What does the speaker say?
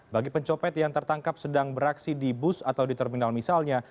bagi pencopet yang tertangkap sedang beraksi di bus atau di terminal misalnya